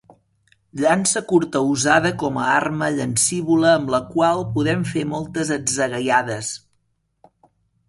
Llança curta usada com a arma llancívola amb la qual podem fer moltes atzagaiades.